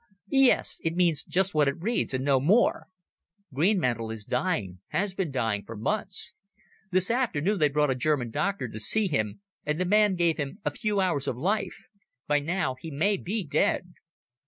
"Yes. It means just what it reads and no more. Greenmantle is dying—has been dying for months. This afternoon they brought a German doctor to see him, and the man gave him a few hours of life. By now he may be dead."